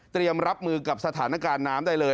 รับมือกับสถานการณ์น้ำได้เลย